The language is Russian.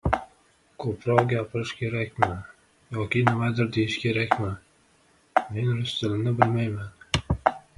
Поэтому мы призываем к объединению усилий при принятии мер, проведении диалога и укреплении взаимопонимания.